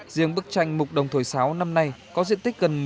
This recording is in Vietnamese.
riêng bức tranh mục đồng thổi sáo năm nay có diện tích gần một mươi m hai